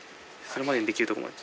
それまでにできるところまで。